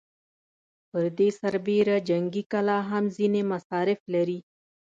پر دې سربېره جنګي کلا هم ځينې مصارف لري.